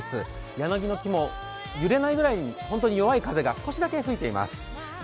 柳の木も揺れないくらい、本当に弱い風が少しだけ吹いています。